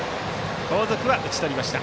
後続は打ち取りました。